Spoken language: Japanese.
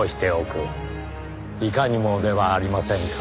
いかにもではありませんか？